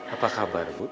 apa kabar bu